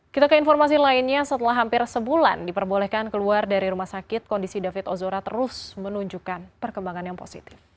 kita ke informasi lainnya setelah hampir sebulan diperbolehkan keluar dari rumah sakit kondisi david ozora terus menunjukkan perkembangan yang positif